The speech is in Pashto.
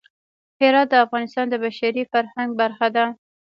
هرات د افغانستان د بشري فرهنګ برخه ده.